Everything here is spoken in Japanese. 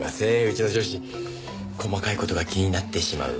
うちの上司細かい事が気になってしまう。